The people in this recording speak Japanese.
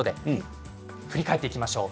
振り返ってみましょう。